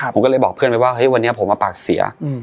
ผมก็เลยบอกเพื่อนไปว่าเฮ้ยวันนี้ผมมาปากเสีย